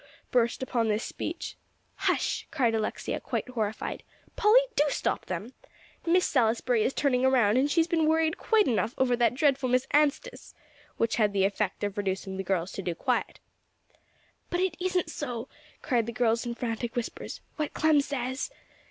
burst upon this speech. "Hush!" cried Alexia, quite horrified. "Polly, do stop them; Miss Salisbury is turning around; and she's been worried quite enough over that dreadful Miss Anstice," which had the effect of reducing the girls to quiet. "But it isn't so," cried the girls in frantic whispers, "what Clem says."